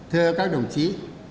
thưa các đồng chí